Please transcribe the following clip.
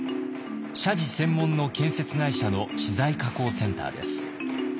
社寺専門の建設会社の資材加工センターです。